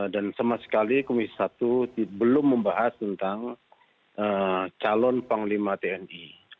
dan sama sekali komisi satu belum membahas tentang calon panglima tni